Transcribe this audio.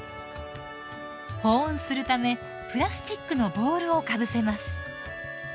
保温するためプラスチックのボウルをかぶせます。